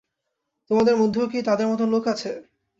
তোমাদের মধ্যেও কি তাদের মত লোক আছে?